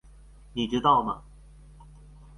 你知道嗎？